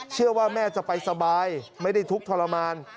เชื่อว่าแม่จะไปสบายไม่ได้ทุกข์ทรมาน